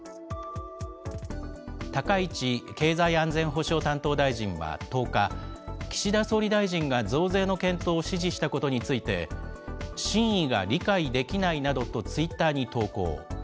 高市経済安全保障担当大臣は１０日、岸田総理大臣が増税の検討を指示したことについて、真意が理解できないなどとツイッターに投稿。